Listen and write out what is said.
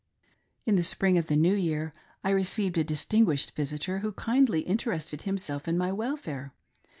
In the spring of the new year I received a distinguished visitor who kindly interested himself in my welfare.